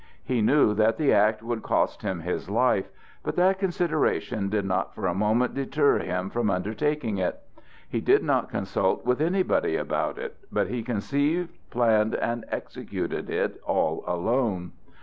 He knew that the act would cost him his life, but that consideration did not for a moment deter him from undertaking it. He did not consult with anybody about it, but he conceived, planned, and executed it all alone.